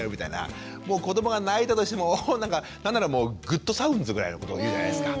もう子どもが泣いたとしても何ならもうグッドサウンズぐらいなことを言うじゃないですか。